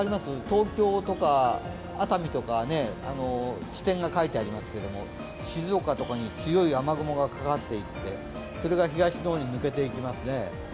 東京とか熱海とか地点が書いてありますが、静岡とかに強い雨雲がかかっていてそれが東の方に抜けていきますね。